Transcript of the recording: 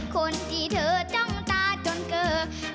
คนที่เธอจ้องตาจนเกิด